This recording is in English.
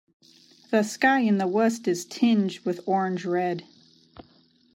The sky in the west is tinged with orange red.